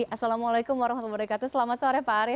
assalamualaikum wr wb selamat sore pak arief